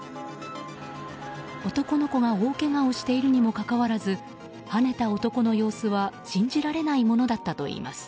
男の子が大けがをしているにもかかわらずはねた男の様子は信じられないものだったといいます。